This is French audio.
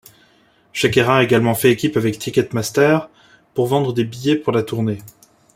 Shakira a également fait équipe avec Ticketmaster pour vendre des billets pour la tournée.